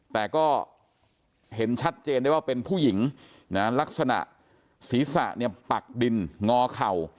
แต่ก็เห็นชัดเจนได้ว่าเป็นผู้หญิงนะลักษณะศีรษะเนี่ยปักดินงอเข่า